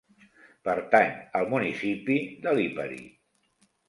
Pertany al municipi de Lipari.